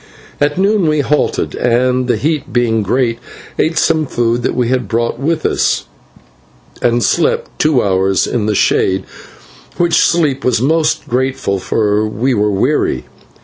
At noon we halted, and, the heat being great, ate some food that we had brought with us, and slept two hours in the shade, which sleep was most grateful, for we were weary.